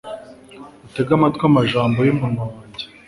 utege amatwi amagambo y'umunwa wanjye